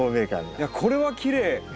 いやこれはきれい。